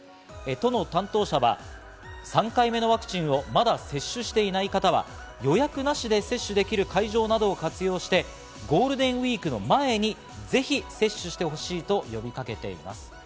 都の担当者は３回目のワクチンをまだ接種していない方は予約なしで接種できる会場などを活用してゴールデンウイークの前にぜひ接種してほしいと呼びかけています。